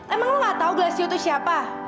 emang lo gak tau galassio tuh siapa